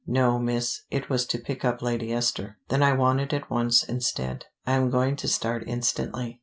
"No, Miss: it was to pick up Lady Esther " "Then I want it at once, instead. I am going to start instantly.